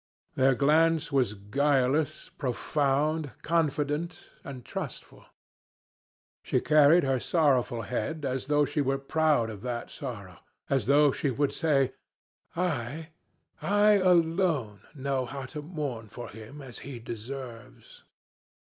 Their glance was guileless, profound, confident, and trustful. She carried her sorrowful head as though she were proud of that sorrow, as though she would say, 'I I alone know how to mourn for him as he deserves.'